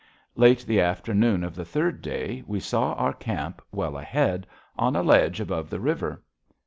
Late the afternoon of the third day we saw our camp well ahead, on a ledge above the river.